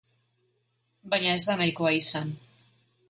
Baina ez da nahikoa izan.